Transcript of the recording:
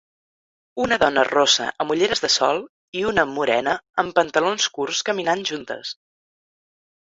Una dona rossa amb ulleres de sol i una morena amb pantalons curts caminant juntes.